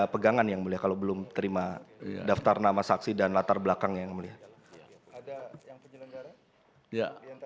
pegangan yang mulia kalau belum terima daftar nama saksi dan latar belakang yang mulia ada yang penyelenggara